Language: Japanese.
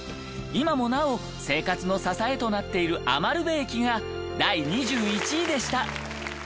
今もなお生活の支えとなっている餘部駅が第２１位でした。